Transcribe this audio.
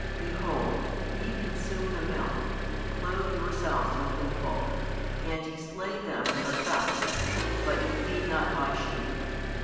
Behold, ye consume the milk, and clothe yourselves with the wool, and ye slay them that are fat; but ye feed not My sheep.